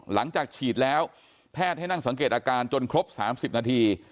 หลังจากฉีดแล้วแพทย์ให้นั่งสังเกตอาการจนครบ๓๐นาที